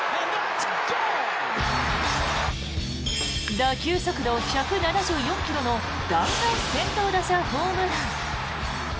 打球速度１７４ｋｍの弾丸先頭打者ホームラン。